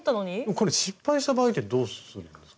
これ失敗した場合ってどうするんですか？